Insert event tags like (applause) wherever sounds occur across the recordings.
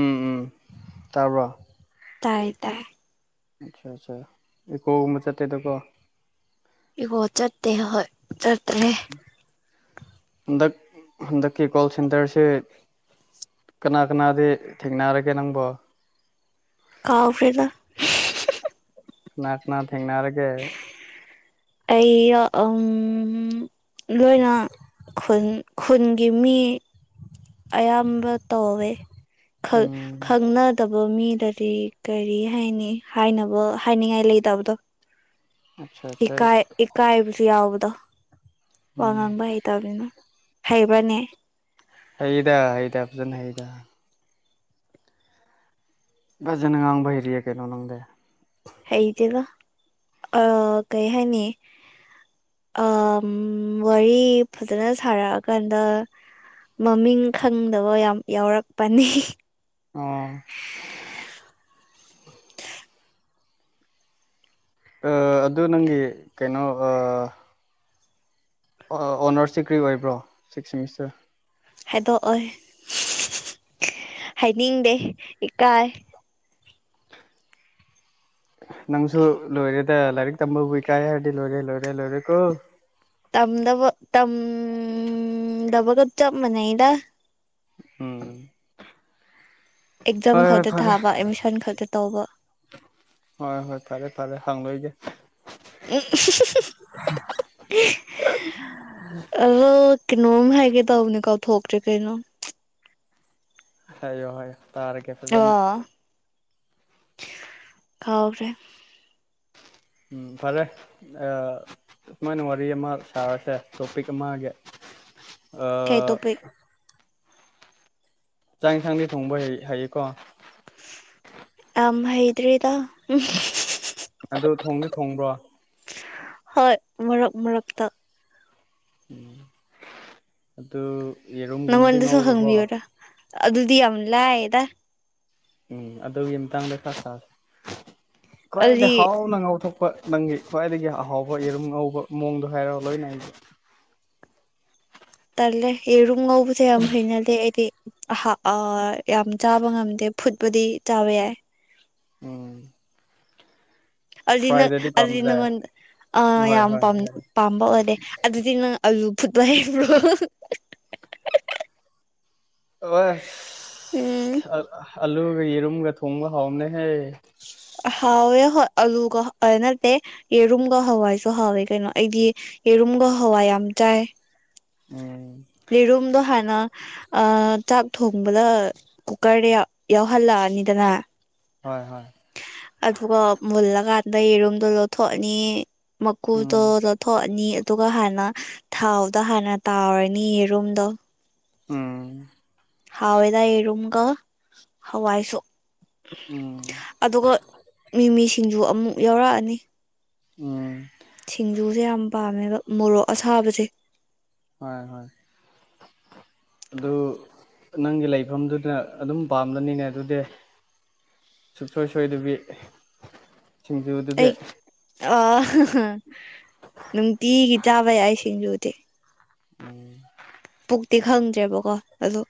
ꯎꯝ ꯎꯝ ꯇꯥꯕ꯭ꯔꯣ ꯇꯥꯏꯌꯦ ꯇꯥꯏ ꯑꯆꯥ ꯑꯠꯆꯥ ꯏꯀꯣꯒꯨꯝꯕ ꯆꯠꯠꯇꯦꯗꯀꯣ ꯏꯒꯣ ꯆꯠꯇꯦ ꯍꯣꯏ ꯆꯠꯇ꯭ꯔꯦ ꯍꯟꯗꯛ ꯍꯟꯗꯛꯀꯤ ꯀꯣꯜ ꯁꯦꯟꯇꯔꯁꯦ ꯀꯅꯥ ꯀꯅꯥꯗꯤ ꯊꯦꯡꯅꯔꯒꯦ ꯅꯪꯕꯣ ꯀꯥꯎꯥꯎꯔꯦꯗ ꯉꯅꯥꯠꯅꯥ ꯊꯦꯡꯅꯔꯒꯦ ꯑꯩ ꯎꯝ ꯂꯣꯏꯅ ꯈꯨꯟ ꯈꯨꯟꯒꯤ ꯃꯤ ꯑꯌꯥꯝꯕ ꯇꯧꯋꯦ ꯎꯝ ꯈꯪꯅꯗꯕ ꯃꯤꯗꯗꯤ ꯀꯔꯤ ꯍꯥꯏꯅꯤ ꯍꯥꯏꯅꯕ ꯍꯥꯏꯅꯤꯡꯉꯥꯏ ꯂꯩꯇꯕꯗꯣ ꯑꯆꯥ ꯑꯆꯥ ꯏꯀꯥꯏ ꯏꯀꯥꯏꯕꯁꯨ ꯌꯥꯎꯕꯗꯣ ꯋꯥ ꯎꯝ ꯉꯥꯡꯕ ꯍꯩꯇꯕꯅꯤꯅ ꯍꯩꯕꯅꯦ ꯍꯩꯗ ꯍꯩꯗ ꯐꯖꯅ ꯍꯩꯗ ꯖꯥꯡ ꯃꯍꯩꯍꯤꯔꯤꯌꯦ ꯀꯩꯅꯣ ꯅꯪꯗ ꯍꯇꯦꯗ ꯑ ꯀꯩ ꯍꯥꯏꯥꯏꯅꯤ ꯑ ꯋꯥꯔꯤ ꯐꯖꯅ ꯁꯥꯔꯛꯑꯀꯥꯟꯗ ꯃꯃꯤꯡ ꯈꯪꯗꯕ ꯌꯥꯝ ꯌꯥꯎꯔꯛꯄꯅꯤ ꯑꯣ ꯑꯗꯨ ꯅꯪꯒꯤ ꯀꯩꯅꯣ ꯑꯣꯅꯔꯁ ꯗꯤ ꯀ꯭ꯔꯤ ꯑꯣꯏꯕ꯭ꯔꯣ ꯁꯤꯛꯁ ꯁꯦꯃꯤꯁꯇꯔ ꯍꯥꯏꯗꯣꯛꯑꯣꯏ ꯍꯥꯏꯅꯤꯡꯗꯦ ꯏꯀꯥꯏ ꯅꯪꯁꯨ ꯂꯣꯏꯔꯦꯗ ꯂꯥꯏꯔꯤꯛ ꯇꯝꯕꯕꯨ ꯏꯀꯥꯏ ꯍꯥꯏꯔꯗꯤ ꯂꯣꯏꯔꯦ ꯂꯣꯏꯔꯦ ꯂꯣꯏꯔꯦ ꯀꯣ ꯇꯝꯗꯕ ꯇꯝ ꯗꯕꯒꯞ ꯆꯞ ꯃꯅꯩꯗ ꯎꯝ ꯑꯦꯛꯖꯥꯝ ꯍꯣꯏ ꯍꯣꯏ ꯈꯛꯇ ꯐꯔꯦ ꯊꯥꯕ ꯑꯦꯠꯃꯤꯁꯟ ꯈꯛꯇ ꯇꯧꯕ ꯍꯣꯏ ꯍꯣꯏ ꯐꯔꯦ ꯐꯔꯦ ꯍꯪ ꯂꯣꯏꯒꯦ ꯎ ꯑ ꯀꯅꯣꯃ ꯍꯥꯏꯒꯦ ꯇꯅꯤ ꯀꯥꯎ ꯊꯣꯛꯀ ꯆ ꯀꯩꯅ ꯍꯥꯏꯌꯣ ꯍꯥꯏꯌꯣ ꯇꯥꯔꯒꯦ ꯐꯖꯅ ꯀꯥꯎꯦ ꯎꯝ ꯐꯔꯦ ꯁꯨꯃꯥꯏꯅ ꯋꯥꯔꯤ ꯑꯃ ꯁꯥꯔꯁꯦ ꯇꯣꯄꯤꯛ ꯑꯃꯒꯤ (inaudible) ꯀꯩꯇꯣꯄ ꯆꯥꯛ ꯌꯦꯟꯁꯥꯡꯗꯤ ꯊꯣꯡꯕ ꯍꯥꯏꯌꯦꯀꯣ ꯇꯝ ꯍꯩꯗ꯭ꯔꯤꯗ ꯎꯝ ꯑꯗꯨ ꯊꯣꯡꯗꯤ ꯊꯣꯡꯕ꯭ꯔꯣ ꯍꯣꯏ ꯃꯔꯛ ꯃꯔꯛꯇ ꯎꯝ ꯑꯗꯨ ꯌꯦꯔꯨꯝꯒꯨꯝꯗꯤ ꯉꯧꯔꯨꯔꯕꯣ ꯑꯗꯨꯗꯤꯌꯥꯂ ꯑꯦꯗꯥ ꯎꯝ ꯑꯗꯨꯒꯤ ꯃꯇꯥꯡꯗ ꯈꯔ ꯁꯥꯥꯁꯦ ꯑꯗꯨꯗꯤ ꯈ꯭ꯋꯥꯏꯗꯒꯤꯩ ꯍꯥꯎꯅ ꯉꯥꯎꯊꯣꯛꯄ ꯅꯪꯒꯤ ꯈ꯭ꯋꯥꯏꯗꯒꯤ ꯑꯍꯥꯎꯕ ꯌꯦꯔꯨꯝ ꯉꯧꯕ ꯃꯑꯣꯡꯗꯣ ꯍꯥꯏꯔꯣ ꯂꯣꯏꯅ ꯑꯩꯁ ꯇꯜꯂꯦ ꯌꯦꯔꯨꯝ ꯉꯧꯕꯁꯦ ꯌꯥꯝ ꯐꯩꯅꯗꯦ ꯑꯩꯗꯤ ꯌꯥꯝ ꯆꯥꯕ ꯉꯝꯗꯦ ꯐꯨꯠꯄꯨꯗꯤ ꯆꯥꯕ ꯌꯥꯏ ꯎꯝ ꯑꯗꯨꯗꯤ ꯅꯪ ꯐ꯭ꯔꯥꯏꯗꯗꯤ ꯑꯗꯨꯗꯤ ꯄꯥꯝꯗ꯭ꯔꯦ ꯅꯪꯣꯟ ꯑ ꯍꯣꯏ ꯌꯥꯝ ꯍꯣꯏ ꯍꯥꯏꯔꯣ ꯄꯥꯝꯕ ꯑꯣꯏꯔꯦ ꯑꯗꯨꯗꯤ ꯅꯪ ꯑꯂꯨ ꯐꯨꯠꯄ ꯍꯥꯏꯕ꯭ꯔꯣ ꯑꯣꯁ ꯑꯂꯨꯒ ꯌꯦꯔꯨꯝꯒ ꯊꯣꯡꯕ ꯍꯥꯎꯅꯦꯍꯦ ꯍꯥꯎꯋꯦ ꯍꯣꯏ ꯑꯂꯨꯒ ꯅꯠꯇꯦ ꯌꯦꯔꯨꯝꯒ ꯍꯋꯥꯏꯁꯨ ꯍꯥꯎꯋꯦ ꯀꯩꯅꯣ ꯑꯩꯗꯤ ꯌꯦꯔꯨꯝꯒ ꯍꯋꯥꯏ ꯌꯥꯝ ꯖꯏ ꯎꯝ ꯔꯔꯨꯝꯗ ꯍ ꯑꯗꯨ ꯆꯥꯛ ꯊꯣꯡꯕꯗ ꯀꯨꯀꯔꯗ ꯌꯥꯎꯍꯜꯂꯛꯑꯅꯤꯗꯅ ꯍꯣꯏ ꯍꯣꯏ ꯑꯗꯨꯒ ꯃꯨꯜꯂꯀꯥꯟꯗ ꯌꯦꯔꯨꯝꯗꯣ ꯂꯧꯊꯣꯛꯑꯅꯤ ꯎꯝ ꯃꯀꯨꯗꯣꯗ ꯊꯣꯛꯑꯅꯤ ꯑꯗꯨꯒ ꯍꯥꯟꯅ ꯊꯥꯎꯗ ꯍꯥꯟꯅ ꯇꯥꯎꯔꯅꯤ ꯌꯦꯔꯨꯝꯗꯣ ꯎꯝ ꯍꯥꯎꯦꯗ ꯌꯦꯔꯨꯝꯒ ꯍꯋꯥꯏꯁꯨꯣ ꯎꯝ ꯑꯗꯨꯒ ꯃꯤꯃꯤꯁꯤꯡꯖ ꯑꯃꯨꯛ ꯌꯥꯎꯔꯛꯑꯅꯤ ꯎꯝ ꯁꯤꯡꯖꯨꯁꯦ ꯌꯥꯝ ꯄꯥꯝꯃꯦꯕ ꯃꯣꯔꯣꯛ ꯑꯁꯥꯕꯁꯦ ꯍꯣꯏ ꯍꯣꯏ ꯑꯗꯨ ꯅꯪꯒꯤ ꯂꯩꯐꯝꯗꯨꯗ ꯑꯗꯨꯝ ꯄꯥꯝꯝꯕꯅꯤꯅꯦ ꯑꯗꯨꯗꯤ ꯁꯨꯡꯁꯣꯏ ꯁꯣꯏꯗꯕꯤ ꯁꯤꯡꯖꯨꯗꯨꯗꯤ ꯑꯩ ꯑ ꯅꯨꯡꯇꯤꯒꯤ ꯆꯥꯕ ꯌꯥꯏ ꯁꯤꯡꯖꯨ ꯑꯣꯀꯦ ꯎꯝ ꯍꯧꯨꯛꯇꯤ ꯈꯪꯗ꯭ꯔꯦꯕꯀꯣ ꯑꯣ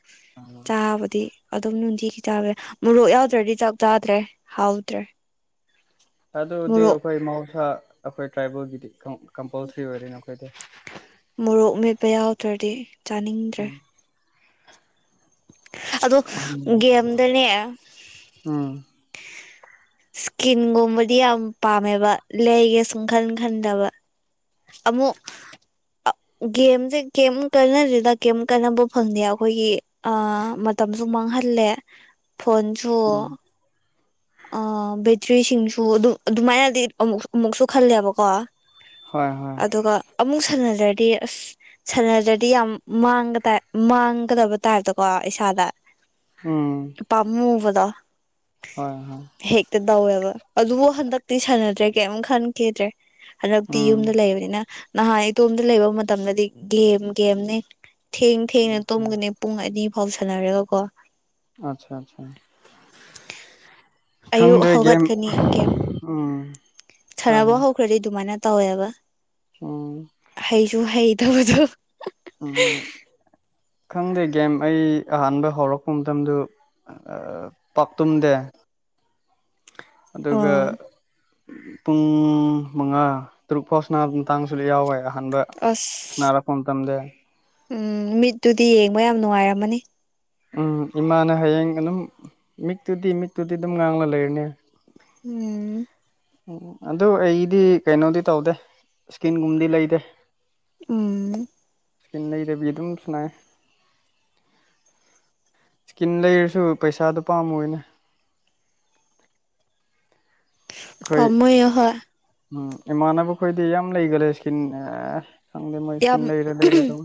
ꯆꯥꯕꯗꯤ ꯑꯗꯨꯝ ꯅꯨꯡꯊꯤꯒꯤ ꯆꯥꯕ ꯃꯣꯔꯣꯛ ꯌꯥꯎꯗ꯭ꯔꯗꯤ ꯆꯥꯛ ꯆꯥꯗ꯭ꯔꯦ ꯍꯥꯎꯗ꯭ꯔꯦ ꯑꯗꯨꯗꯤ ꯃꯣꯔꯣꯛ ꯑꯩꯈꯣꯏ ꯃꯍꯧꯁꯥ ꯑꯩꯈꯣꯏ ꯇ꯭ꯔꯥꯏꯕꯦꯜꯒꯤꯗꯤ ꯀꯝꯄꯜꯁꯔꯤ ꯑꯣꯏꯔꯦꯅꯣ ꯍꯥꯏꯩꯗ ꯃꯣꯔꯣꯛ ꯃꯦꯠꯄ ꯌꯥꯎꯗ꯭ꯔꯗꯤ ꯆꯥꯅꯤꯡꯗ꯭ꯔꯦ ꯑꯗ ꯦꯝꯗꯅꯦ ꯎꯝ ꯏꯁꯀꯤꯟꯒꯨꯝꯕꯗꯤ ꯌꯥꯝ ꯄꯥꯝꯃꯦꯕ ꯂꯩꯒꯦ ꯁꯨꯝ ꯈꯟ ꯈꯟꯗꯕ ꯑꯃꯃꯣ (inaudible) ꯒꯦꯝꯁꯦ ꯀꯦꯝ ꯀꯥꯟꯅꯁꯤꯗ ꯀꯩꯝ ꯀꯥꯟꯅꯕ ꯐꯪꯗꯦ ꯑꯩꯈꯣꯏꯒꯤ ꯑ ꯃꯇꯝꯁꯨ ꯃꯥꯡꯍ ꯜꯂꯦ ꯐꯣꯟꯣꯟꯁꯨ ꯎꯝ ꯑ ꯕꯦꯇ꯭ꯔꯤꯁꯤꯡꯁꯨ ꯑꯗꯨꯝ ꯑꯗꯨꯃꯥꯏꯅꯗꯤ ꯑꯃꯨ ꯑꯃꯨꯛꯁꯨ ꯈꯜꯂꯦꯕꯀꯣ ꯍꯣꯏ ꯍꯣꯏ ꯑꯗꯨꯒ ꯑꯃꯨꯛ ꯁꯥꯟꯅꯖ꯭ꯔꯗꯤ ꯑꯁ ꯁꯥꯟꯅꯖ꯭ꯔꯗꯤ ꯌꯥꯝ ꯃꯥꯡꯒ ꯇꯥꯏ ꯃꯥꯡꯒꯗꯕ ꯇꯥꯏꯞꯇꯀꯣ ꯄꯩꯁꯥꯗ ꯎꯝ ꯏ ꯄꯝꯃꯨꯕꯗꯣ ꯍꯣꯏ ꯍꯣꯏ ꯇꯧꯋꯦꯕ ꯑꯗꯨꯕꯨ ꯍꯟꯗꯛꯇꯤ ꯁꯥꯟꯅꯗ꯭ꯔꯦ ꯀꯩꯝ ꯈꯟꯈꯤꯦꯗ꯭ꯔꯦ ꯍꯟꯗꯛꯇꯤ ꯎꯝ ꯌꯨꯝꯗ ꯂꯩꯕꯅꯤꯅ ꯅꯍꯥꯟ ꯏꯇꯣꯝꯗ ꯂꯩꯕ ꯃꯇꯝꯗꯗꯤ ꯒꯦꯝ ꯒꯦꯝꯅꯤ ꯊꯦꯡ ꯊꯦꯡꯅ ꯇꯨꯝꯒꯅꯤ ꯄꯨꯡ ꯑꯅꯤ ꯐꯥꯎ ꯁꯥꯟꯅꯔꯒꯀꯣ ꯑꯆꯥ ꯑꯆꯥ ꯑꯌꯨꯛ ꯍꯧꯒꯠꯀꯅꯤ ꯒꯦꯝ ꯎꯝ ꯍꯣꯏ ꯁꯥꯟꯅꯕ ꯍꯣꯏ ꯍꯧꯈ꯭ꯔꯗꯤ ꯑꯗꯨꯃꯥꯏꯅ ꯇꯧꯋꯦꯕ ꯎꯝ ꯍꯩꯁꯨ ꯍꯩꯇꯕꯗꯣ ꯎꯝ ꯈꯪꯗꯦ ꯒꯦꯝ ꯑꯩ ꯑꯍꯥꯟꯕ ꯍꯧꯔꯛꯄ ꯃꯇꯝꯗꯨ ꯄꯥꯛꯥꯛꯇꯨꯝꯗꯦ ꯑꯗꯨꯒ ꯑꯣ ꯄꯨꯡ ꯃꯉꯥ ꯇꯔꯨꯛ ꯐꯥꯎꯁꯤꯅ ꯑꯗꯨꯝ ꯇꯥꯡꯁꯨ ꯌꯥꯎꯋꯦ ꯑꯍꯥꯟꯕ ꯑꯁ ꯁꯥꯟꯅꯥꯔꯛꯄ ꯃꯇꯝꯗ ꯎꯝ ꯃꯤꯠꯇꯨꯗꯤ ꯌꯦꯡꯕ ꯌꯥꯝ ꯅꯨꯡꯉꯥꯏꯔꯝꯃꯅꯤ ꯎꯝ ꯏꯃꯥꯅ ꯍꯌꯦꯡ ꯑꯗꯨꯝ ꯃꯤꯛꯇꯨꯗꯤ ꯃꯤꯠꯇꯨꯗꯤ ꯑꯗꯨꯝ ꯉꯥꯡꯂ ꯂꯩꯔꯅꯤ ꯎꯝ ꯎꯝ ꯑꯗꯨ ꯑꯩꯗꯤ ꯀꯩꯅꯣꯗꯤ ꯇꯧꯗꯦ ꯏꯁꯀꯤꯟꯒꯨꯝꯗꯤ ꯂꯩꯗꯦ ꯎꯝ ꯏꯁꯀꯤ ꯂꯩꯗꯕꯤ ꯑꯗꯨꯝ ꯁꯅꯥ ꯏꯁꯀꯤꯟ ꯂꯩꯔꯁꯨ ꯄꯩꯁꯥꯗꯣ ꯄꯥꯝꯃꯨꯅꯦ ꯑꯩꯈꯣꯏ ꯐꯃꯣꯏꯍ ꯎꯝ ꯏꯃꯥꯟꯅꯕꯈꯣꯏꯗꯤ ꯌꯥꯝ ꯂꯩꯒꯜꯂꯦ ꯏꯁꯀꯤꯟ ꯈꯪꯗꯦ ꯃꯣꯏ ꯏꯁꯀꯤꯟ ꯌꯥꯝ ꯂꯩꯔ ꯎ ꯂꯩꯔ ꯇꯧ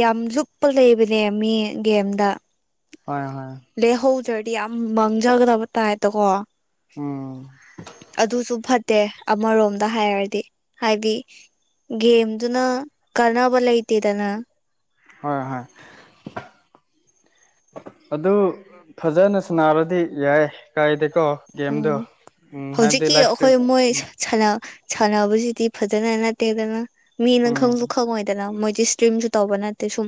ꯌꯥꯝ ꯂꯨꯞꯄ ꯂꯩꯕ ꯂꯦꯝꯃꯤ ꯒꯦꯝꯗ ꯍꯣꯏ ꯍꯣꯏ ꯂ ꯍꯧ ꯆ ꯌꯥꯝ ꯃꯪꯖꯒꯗꯕ ꯇꯥꯏꯠꯇ ꯀꯣ ꯎꯝ ꯗꯦ ꯑꯃꯔꯣꯝꯗ ꯍꯥꯏꯔꯗꯤ ꯍꯥꯏꯕꯤ ꯒꯦꯝꯗꯨꯅ ꯀꯥꯟꯅꯕ ꯂꯩꯇꯦꯗꯅ ꯍꯣꯏ ꯍꯣꯏ ꯑꯗꯨ ꯐꯖꯅ ꯁꯅꯥꯔꯗꯤ ꯌꯥꯏ ꯀꯥꯏꯗ ꯎꯝ ꯍꯧꯖꯤꯛꯀꯤ ꯂꯥꯏꯐ ꯏꯁꯇ꯭ꯔꯤꯝ ꯑꯩꯈꯣꯏ ꯃꯣꯏ ꯁꯥꯟꯅꯕꯁꯤꯗꯤ ꯐꯖꯅ ꯅꯠꯇꯦꯗꯅ ꯃꯤꯅ ꯎꯝ ꯈꯪꯁꯨ ꯈꯪꯉꯣꯏꯗꯅ ꯃꯣꯏ ꯏꯁꯇ꯭ꯔꯤꯝꯁꯨ ꯇꯧꯕ ꯅꯠꯇꯦ ꯁꯨꯝ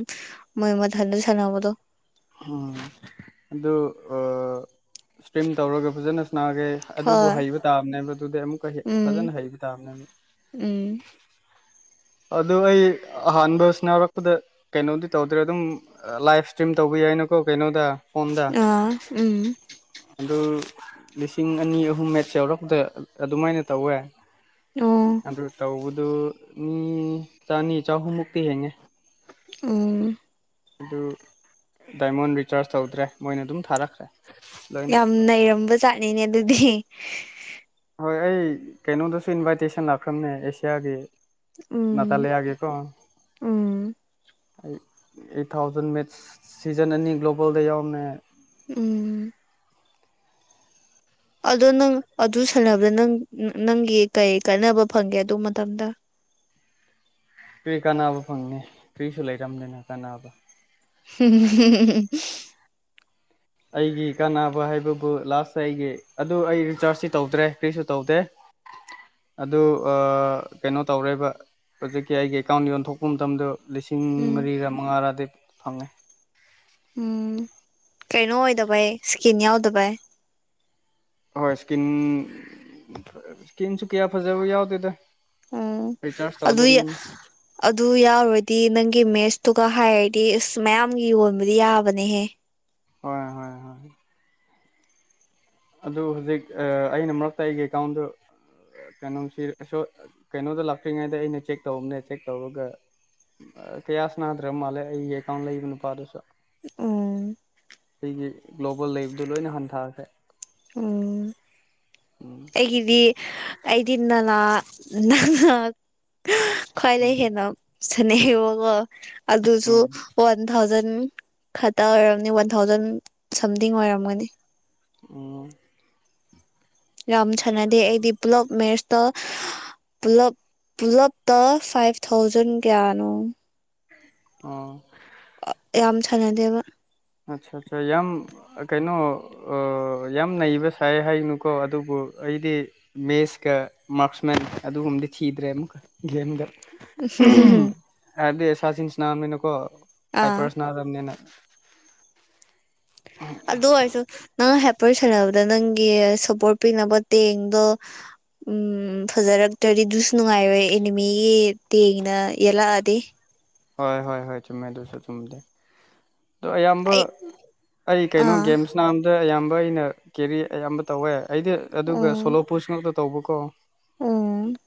ꯃꯣꯏ ꯃꯊꯟꯗ ꯁꯥꯟꯅꯕꯗꯣ ꯎ ꯑꯗꯨ ꯏꯁꯇ꯭ꯔꯤꯝ ꯇꯧꯔꯒ ꯐꯖꯅ ꯅꯥꯒꯦ ꯑꯗꯨꯕꯨ ꯍꯣꯏ ꯍꯩꯕ ꯇꯥꯕꯅꯦꯕ ꯑꯗꯨꯗꯤ ꯑꯃꯨꯛꯀ ꯐꯖꯅ ꯍꯩꯕ ꯇꯥꯕꯅꯦꯕ ꯍ ꯑꯗꯨꯣ ꯑꯩ ꯑꯍꯥꯟꯕꯁꯤꯅꯥꯎꯔꯛꯄꯗ ꯀꯩꯅꯣꯗꯤ ꯇꯧꯗ꯭ꯔꯦ ꯑꯗꯨꯝ ꯂꯥꯏꯚ ꯏꯁꯇ꯭ꯔꯤꯝ ꯇꯧꯕ ꯌꯥꯏ ꯌꯥꯏꯅꯀꯣ ꯀꯩꯅꯣꯗ ꯐꯣꯟꯣꯟꯗ ꯑꯥ ꯎꯝ ꯑꯗꯨ ꯂꯤꯁꯤꯡ ꯑꯅꯤ ꯑꯍꯨꯝ ꯃꯦꯠ ꯌꯧꯔꯛꯗ ꯑꯗꯨꯃꯥꯏꯅ ꯇꯧꯋꯦ ꯑꯣ ꯑꯗꯨ ꯇꯧꯕꯗꯨ ꯃꯤ ꯆꯅꯤ ꯆꯍꯨꯝꯃꯨꯛꯇꯤ ꯍꯦꯡꯉꯦ ꯑꯣ ꯑꯗꯨ ꯗꯥꯏꯃꯣꯟ ꯔꯤꯆꯥꯔꯖ ꯇꯧꯗ꯭ꯔꯦ ꯃꯣꯏꯅ ꯑꯗꯨꯝ ꯊꯥꯔꯛꯈ꯭ꯔꯦ ꯂꯣꯏꯅ ꯌꯥꯝ ꯅꯩꯔꯝꯕ ꯆꯥꯠꯅꯤꯅꯦ ꯑꯗꯨꯗꯤ ꯍꯣꯏ ꯑꯩ ꯀꯩꯅꯣꯗꯁꯨ ꯏꯟꯚꯥꯏꯇꯦꯁꯟ ꯂꯥꯛꯈ꯭ꯔꯕꯅꯦ ꯑꯦꯁꯤꯌꯥꯒꯤ ꯎꯝ ꯅꯇꯥꯂꯤꯌꯥꯒꯤꯀꯣ ꯎꯝ ꯑꯩ ꯑꯩꯠ ꯊꯥꯎꯖꯟ ꯃꯦꯠꯁ ꯁꯤꯖꯟ ꯑꯅꯤ ꯒ꯭ꯂꯣꯕꯜꯗ ꯌꯥꯎꯅ ꯎꯝ ꯑꯗꯣ ꯅꯪ ꯑꯗꯨ ꯁꯥꯟꯅꯕꯗ ꯅꯪ ꯅꯪꯒꯤ ꯀꯩ ꯀꯥꯟꯅꯕ ꯐꯪꯒꯦ ꯑꯗꯨ ꯃꯇꯝꯗ ꯐꯔꯤ ꯀꯥꯅꯕ ꯐꯪꯅꯤ ꯀ꯭ꯔꯤꯁꯨ ꯂꯩꯔꯝꯅꯤꯅ ꯀꯥꯅꯕ ꯎꯝ ꯑꯩꯒꯤ ꯀꯥꯟꯅꯕ ꯍꯥꯏꯕꯕꯨ ꯂꯥꯁꯇ ꯑꯩꯒꯤ ꯑꯗꯨ ꯑꯩ ꯔꯤꯆꯥꯔꯖꯁꯤ ꯇꯧꯗ꯭ꯔꯦ ꯐ꯭ꯔꯤꯁꯨ ꯇꯧꯗꯦ ꯑꯗꯨ ꯑ ꯀꯩꯅꯣ ꯇꯧꯔꯦꯕ ꯍꯧꯖꯤꯛꯀꯤ ꯑꯩꯒꯤ ꯑꯦꯀꯥꯎꯟ ꯌꯣꯟꯊꯣꯛꯄ ꯃꯇꯝꯗ ꯂꯤꯁꯤꯡ ꯎꯝ ꯃꯔꯤꯒ ꯃꯉꯥꯔꯗꯤ ꯐꯪꯉꯦ ꯎꯝ ꯀꯩꯅꯣ ꯑꯣꯏꯗꯕꯩ ꯏꯁꯀꯤꯟ ꯌꯥꯎꯗꯕꯩ ꯍꯣꯏ ꯏꯁꯀꯤꯟ ꯏꯁꯀꯤꯟꯁꯨ ꯀꯌꯥ ꯐꯖꯕ ꯌꯥꯎꯗꯦꯗ ꯎꯝ ꯔꯤꯆꯥꯔꯖ ꯑꯗꯨ ꯇꯧꯗꯕꯅꯤꯅ ꯑꯗꯨ ꯌꯥꯔꯣꯏꯗꯤ ꯅꯪꯒꯤ ꯃꯦꯁ ꯑꯗꯨꯒ ꯍꯥꯏꯔꯗꯤ ꯑꯁ ꯃꯌꯥꯝꯒꯤ ꯌꯣꯟꯕꯗꯤ ꯌꯥꯕꯅꯦꯍꯦ ꯍꯣꯏ ꯍꯣꯏ ꯍꯣꯏ ꯑꯗꯨ ꯍꯧꯖꯤꯛ ꯑꯩꯅ ꯃꯔꯛꯇ ꯑꯩꯒꯤ ꯑꯦꯀꯥꯎꯟꯗꯨ ꯀꯩꯅꯣꯁꯤ ꯀꯩꯅꯣꯗ ꯂꯥꯛꯇ꯭ꯔꯤꯉꯩꯗ ꯑꯩꯅ ꯆꯦꯛ ꯇꯧꯕꯅꯦ ꯆꯦꯛ ꯇꯧꯔꯒ ꯀꯌꯥꯁ ꯅꯥꯗ꯭ꯔꯕ ꯃꯥꯜꯂꯦ ꯑꯩꯒꯤ ꯑꯦꯀꯥꯎꯟ ꯂꯩꯕꯅꯄꯥꯥꯗꯨꯁꯨ ꯎꯝ ꯑꯩꯒꯤ ꯒ꯭ꯂꯣꯕꯦꯜ ꯂꯩꯕꯗꯨ ꯂꯣꯏꯅ ꯍꯟꯊꯈ꯭ꯔꯦ ꯎꯝ ꯎꯝ ꯑꯩꯒꯤꯗꯤ ꯑꯩꯗꯤ ꯅꯅꯥ ꯅ ꯈ꯭ꯋꯥꯏꯗꯒꯤꯩ ꯍꯦꯟꯅ ꯁꯅꯩꯑꯌꯦꯕꯀꯣ ꯑꯗꯨꯁꯨ ꯎꯝ ꯋꯥꯟ ꯊꯥꯎꯖꯟ ꯎꯝ ꯈꯇ ꯑꯣꯏꯔꯝꯅꯤ ꯋꯥꯟ ꯊꯥꯎꯖꯟ ꯁꯝꯊꯤꯡ ꯑꯣꯏꯔꯝꯒꯅꯤ ꯑꯣ ꯌꯥꯝ ꯁꯥꯟꯅꯗꯦ ꯑꯩꯗꯤ ꯄꯨꯂꯞ ꯃꯦꯁ ꯄꯨ ꯄꯨꯂꯞꯇ ꯐꯥꯏꯚ ꯊꯥꯎꯖꯟ ꯀꯌꯥꯅꯣ ꯑꯣ ꯌꯥꯝ ꯁꯥꯟꯅꯗꯦꯕ ꯑꯠꯆꯥ ꯑꯠꯆꯥ ꯌꯥꯝ ꯀꯩꯅꯣ ꯌꯥꯝ ꯅꯩꯕ ꯁꯥꯏ ꯍꯥꯏꯅꯨꯀꯣ ꯑꯗꯨꯕꯨ ꯑꯩꯗꯤ ꯃꯦꯁꯀ ꯃꯥꯛꯁꯃꯦꯟ ꯑꯗꯨꯒꯨꯝꯕꯗꯤ ꯊꯤꯗ꯭ꯔꯦ ꯑꯃꯨꯛꯀ ꯒꯦꯝꯗ ꯍꯝ ꯑꯗꯤ ꯁꯥꯁꯤꯁꯤꯅꯥꯅꯤ ꯅꯅꯀꯣ ꯍꯥꯏꯥꯏ ꯑꯥ ꯄꯔꯁ ꯑꯗꯨꯅꯤ ꯅꯦꯅꯦ ꯑꯗꯨ ꯍꯥꯏꯁꯨ ꯅꯪ ꯍ ꯄꯔ ꯁꯥꯟꯅꯕꯗ ꯅꯪꯒꯤ ꯁꯞꯄꯣꯔꯠ ꯄꯤꯅꯕ ꯇꯦꯡꯗꯣ ꯎꯝ ꯐꯖꯔꯛꯇ꯭ꯔꯗꯤ ꯑꯗꯨꯁꯨ ꯅꯨꯡꯉꯥꯏꯔꯣꯏ ꯑꯦꯅꯤꯃꯤꯒꯤ ꯇꯦꯡꯅ ꯌꯦꯜꯂꯛꯑꯗꯤ ꯍꯣꯏ ꯍꯣꯏ ꯍꯣꯏ ꯆꯃꯦꯗꯨꯁꯨ ꯆꯗ ꯑꯗꯣ ꯑꯌꯥꯝꯕ ꯑꯩ ꯑꯩ ꯀꯩꯅꯣ ꯑꯥ ꯒꯦꯝꯁ ꯅꯥꯝꯗ ꯑꯌꯥꯝꯕ ꯑꯩꯅ ꯀꯦꯔꯤ ꯑꯌꯥꯝꯕ ꯇꯧꯋꯦ ꯑꯩꯗꯤ ꯑꯗꯨꯒ ꯎꯝ ꯁꯣꯂꯣ ꯄꯨꯁ ꯉꯛꯇ ꯇꯧꯕꯀꯣ ꯎꯝ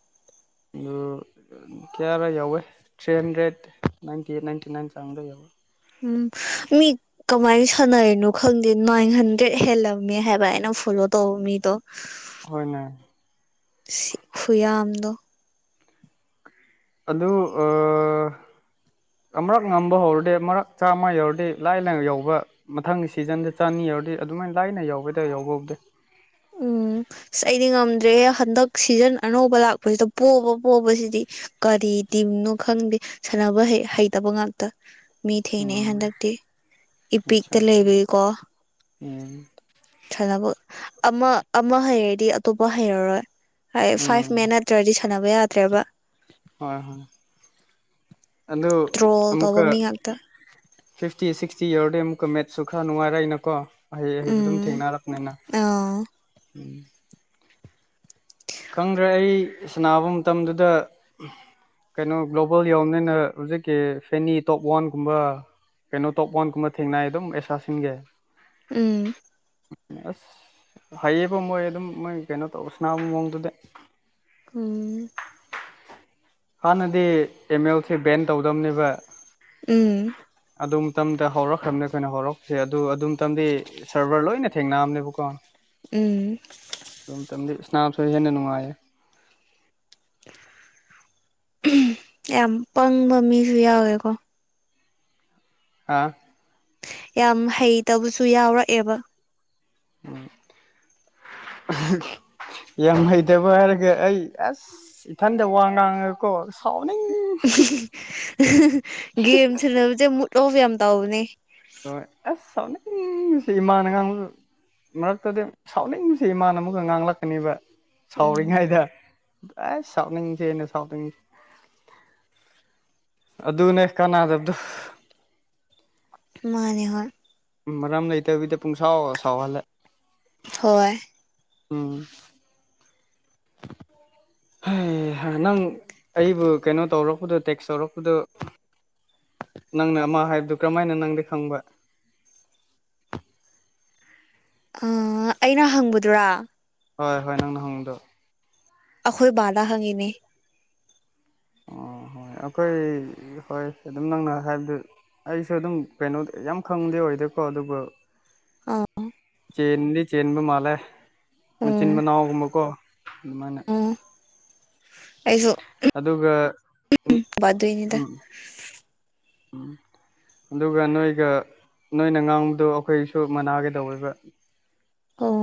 ꯑꯗꯨ ꯀꯌꯥꯔꯥ ꯌꯥꯎꯋꯦ ꯊ꯭ꯔꯤ ꯍꯟꯗ꯭ꯔꯦꯠ ꯅꯥꯟꯇꯤ ꯏꯟꯇꯤ ꯅꯥꯏꯟ ꯆꯪ ꯕ ꯌꯥꯎ ꯑꯦ ꯎꯝ ꯃꯤ ꯀꯃꯥꯏꯅ ꯁꯥꯟꯅꯔꯤꯅꯣ ꯈꯪꯗꯦ ꯅꯥꯏꯟ ꯍꯟꯗ꯭ꯔꯦꯗ ꯍꯦꯜꯂꯝꯃꯦ ꯍꯥꯏꯕ ꯍꯥꯏꯅ ꯐꯣꯂꯣ ꯇꯣꯕ ꯃꯤꯗꯣ ꯍꯣꯏꯅꯦ ꯁꯤꯈꯨꯌꯥꯝꯝꯗꯣ ꯑꯗꯨ ꯑ ꯑꯃꯨꯔꯛ ꯉꯝꯕ ꯍꯧꯔꯗꯤ ꯃꯔꯛ ꯑꯝꯃ ꯌꯧꯔꯗꯦ ꯂꯥꯏ ꯂꯥꯏ ꯌꯧꯕ ꯃꯊꯪꯒꯤ ꯁꯤꯖꯟꯗ ꯆꯅꯤ ꯌꯥꯎꯔꯗꯤ ꯑꯗꯨꯃꯥꯏꯅ ꯂꯥꯏꯅ ꯌꯥꯎꯕꯗ ꯌꯥꯎꯕ ꯕꯨꯗꯤ ꯎꯝ ꯑꯁ ꯑꯩꯗꯤ ꯉꯝꯗ꯭ꯔꯦꯍꯦ ꯍꯟꯗꯛ ꯁꯤꯖꯟ ꯑꯅꯧꯕ ꯂꯥꯛꯄꯁꯤꯗ ꯄꯣꯕ ꯄꯣꯕꯁꯤꯗꯤ ꯀꯔꯤ ꯇꯤꯝꯅꯣ ꯈꯪꯗꯦ ꯁꯥꯟꯅꯕ ꯍꯩꯇꯕ ꯉꯥꯛꯇ ꯃꯤ ꯊꯦꯡꯅꯩ ꯎꯝ ꯍꯟꯗꯛꯇꯤ ꯏꯄꯤꯛꯇ ꯂꯩꯕꯏꯀꯣ ꯎ ꯈꯅꯕ ꯑꯃ ꯑꯃ ꯍꯩꯔꯗꯤ ꯑꯇꯣꯞꯄ ꯍꯩꯔꯔꯣꯏ ꯍꯥꯏ ꯎꯝ ꯐꯥꯏꯚ ꯃꯦꯟ ꯅꯠꯇ꯭ꯔꯗꯤ ꯁꯥꯟꯅꯕ ꯌꯥꯗ꯭ꯔꯦꯕ ꯍꯣꯏ ꯍꯣꯏ ꯑꯗꯨ ꯇ꯭ꯔꯣꯜ ꯇꯧꯕ ꯑꯃꯨꯛꯀ ꯃꯤ ꯉꯥꯛꯇ ꯐꯤꯐꯇꯤ ꯁꯤꯛꯁꯇꯤ ꯌꯧꯔꯗꯩ ꯑꯃꯨꯛꯀ ꯃꯦꯠꯁꯨ ꯈꯔ ꯅꯨꯡꯉꯥꯏꯔꯏꯅꯀꯣ ꯑꯍꯩ ꯑꯍꯩꯕ ꯑꯗꯨꯝ ꯎꯝ ꯊꯦꯡꯅꯔꯛꯅꯤꯅ ꯑꯥ ꯎꯝ ꯈꯪꯗ꯭ꯔꯦ ꯑꯩ ꯁꯅꯥꯕ ꯃꯇꯝꯗꯨꯗ ꯀꯩꯅꯣ ꯒ꯭ꯂꯣꯕꯜ ꯌꯎꯕꯅꯤꯅ ꯍꯧꯖꯤꯛꯀꯤ ꯐꯦꯅꯤ ꯇꯣꯞ ꯋꯥꯟꯒꯨꯝꯕ ꯀꯩꯅꯣ ꯇꯣꯞ ꯋꯥꯟꯒꯨꯝꯕ ꯊꯦꯡꯅꯏ ꯑꯗꯨꯝ ꯑꯦꯁꯥꯁꯤꯡꯒꯦ ꯎꯝ ꯑꯁ ꯍꯥꯏꯌꯦꯕ ꯃꯣꯏ ꯑꯗꯨꯝ ꯃꯣꯏ ꯀꯩꯅꯣ ꯇꯧꯕ ꯁꯅꯥꯅꯕ ꯃꯑꯣꯡꯗꯨꯗꯤ ꯎ ꯍꯥꯟꯅꯗꯤ ꯑꯦꯝ ꯑꯦꯜꯁꯦ ꯕꯦꯟ ꯇꯧꯗꯝꯕꯅꯦꯕ ꯎꯝ ꯑꯗꯨ ꯃꯇꯝꯗ ꯍꯧꯔꯛꯈ꯭ꯔꯕꯅꯦ ꯑꯩꯈꯣꯏꯅ ꯍꯧꯔꯛꯄꯁꯦ ꯑꯗꯨ ꯑꯗꯨ ꯃꯇꯝꯗꯤ ꯁꯔꯚꯔ ꯂꯣꯏꯅ ꯊꯦꯡꯅꯝꯅꯦꯕꯀꯣ ꯎꯝ ꯅꯥꯝ ꯁꯣ ꯍꯦꯟꯅ ꯅꯨꯡꯉꯥꯏ ꯌꯥꯝ ꯄꯪꯕ ꯃꯤꯁꯨ ꯌꯥꯎꯋꯦꯀꯣ ꯑ ꯌꯥꯝ ꯍꯩꯇꯕꯁꯨ ꯌꯥꯎꯔꯛꯑꯦꯕ ꯎꯝ (unintelligible) ꯌꯥꯝꯡ ꯍꯩꯗꯕ ꯍꯥꯏꯔꯒ ꯑꯩ ꯑꯁ ꯏꯊꯟꯗ ꯋꯥ ꯉꯥꯡꯉꯀꯣ ꯁꯥꯎ ꯒꯦꯝ ꯁꯥꯟꯅꯕꯁꯦ ꯃꯨꯠ ꯑꯣꯐ ꯌꯥꯝ ꯇꯥꯎꯕꯅꯦ ꯍꯣꯏ ꯑꯁ ꯁꯥꯎꯅꯤꯡ ꯅꯤꯡꯕꯁꯦ ꯏꯃꯥꯅ ꯉꯥꯡꯕ ꯃꯔꯛꯇꯗꯤ ꯁꯥꯎꯅꯤꯡꯕꯁꯦ ꯏꯃꯥꯅ ꯑꯃꯨꯛꯒ ꯉꯥꯡꯂꯛꯀꯅꯦꯕ ꯎꯝ ꯁꯥꯎꯔꯤꯉꯩꯗ ꯑꯩꯁ ꯁꯥꯎꯅꯤꯡꯁꯦꯅꯦ ꯁꯥꯎꯅꯤꯡꯁꯦ ꯑꯗꯨꯅꯦ ꯀꯅꯗꯕꯗꯣ ꯃꯥꯅꯦ ꯍꯣꯏ ꯃꯔꯝ ꯂꯩꯇꯕꯤꯗ ꯄꯨꯡꯁꯥꯎ ꯁꯥꯎꯍꯜꯂꯦ ꯍꯣꯏ ꯎꯝ (inaudible) ꯅꯪ ꯑꯩꯕꯨ ꯀꯩꯅꯣ ꯇꯧꯔꯛꯄꯗꯣ ꯇꯦꯛꯁ ꯇꯧꯔꯛꯄꯗꯣ ꯅꯪꯅ ꯑꯃ ꯍꯥꯏꯕꯗꯨ ꯀꯔꯝꯍꯥꯏꯅ ꯅꯪꯗꯤ ꯈꯪꯕ ꯑꯩꯅ ꯍꯪꯕꯗꯨꯔꯥ ꯍꯣꯏ ꯍꯣꯏ ꯅꯪꯅ ꯍꯪꯕꯗꯣ ꯑꯈꯣꯏꯕꯥꯗ ꯍꯪ ꯏꯅꯦ ꯍꯣꯏ ꯑꯩꯈꯣꯏ ꯍꯣꯏ ꯑꯗꯨꯝ ꯅꯪꯅ ꯍꯥꯏꯕꯗꯨ ꯑꯩꯁꯨ ꯑꯗꯨꯝ ꯀꯩꯅꯣ ꯌꯥꯝ ꯈꯪꯕꯗꯤ ꯑꯣꯏꯗꯦꯀꯣ ꯑꯗꯨꯒ ꯑꯥ ꯆꯦꯟꯗꯤ ꯆꯦꯟꯕ ꯃꯥꯜꯂꯦ ꯃꯆꯤꯟ ꯎꯝ ꯃꯅꯥꯎꯒꯨꯝꯕꯀꯣ ꯑꯗꯨꯃꯥꯏꯅ ꯎꯝ ꯑꯩꯁꯨ ꯑꯗꯨꯒ ꯕꯥꯗꯣꯏꯅꯤꯗ ꯎꯝ ꯎꯝ ꯑꯗꯨꯒ ꯅꯣꯏꯒ ꯅꯣꯏꯅ ꯉꯥꯡꯕꯗꯣ ꯑꯩꯈꯣꯏꯁꯨ ꯃꯅꯥꯒꯦꯗꯧꯋꯦꯕ ꯑꯣ